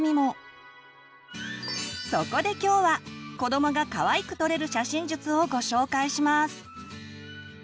そこで今日は子どもがかわいく撮れる写真術をご紹介します！